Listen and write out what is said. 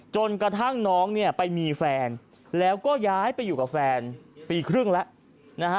จนกระทั่งน้องเนี่ยไปมีแฟนแล้วก็ย้ายไปอยู่กับแฟนปีครึ่งแล้วนะฮะ